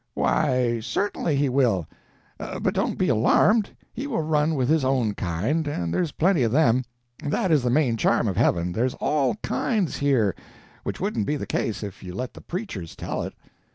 "Why, certainly, he will; but don't you be alarmed; he will run with his own kind, and there's plenty of them. That is the main charm of heaven—there's all kinds here—which wouldn't be the case if you let the preachers tell it.